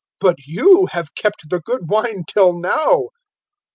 But you have kept the good wine till now."